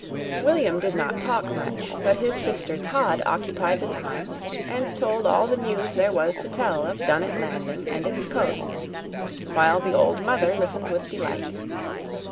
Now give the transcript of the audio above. William did not talk much, but his sister Todd occupied the time and told all the news there was to tell of Dunnet Landing and its coasts, while the old mother listened with delight.